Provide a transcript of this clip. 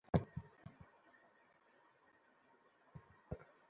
মোরেও একদিন খাইবে গিল্লা হেইডাও মুই জানি।